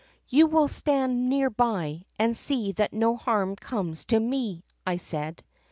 " 'You will stand near by and see that no harm comes to me,' I said.